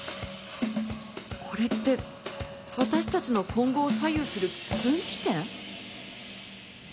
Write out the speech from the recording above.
これって私たちの今後を左右する分岐点？